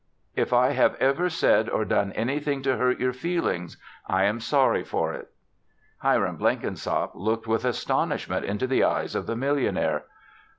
If I have ever said or done anything to hurt your feelings, I am sorry for it." Hiram Blenkinsop looked with astonishment into the eyes of the millionaire.